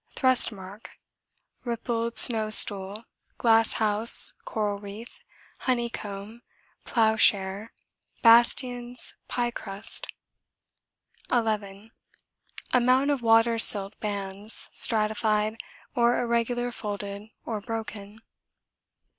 (Thrust mark? Rippled, snow stool, glass house, coral reef, honeycomb, ploughshare, bastions, piecrust.) 11. Amount of water silt bands, stratified, or irregular folded or broken.